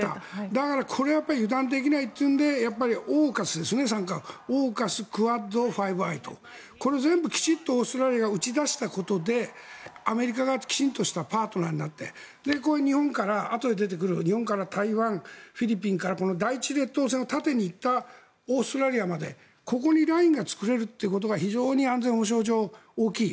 だからこれは油断できないというのでＡＵＫＵＳですねＡＵＫＵＳ、クアッドとこれをきちんとオーストラリアが打ち出したことでアメリカがきちんとしたパートナーになってこういうあとで出てくる日本からフィリピンから第一列島線を縦に行ったオーストラリアまでここにラインが作れるということが非常に安全保障上大きい。